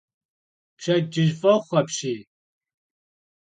Pşedcıj f'oxhu apşiy!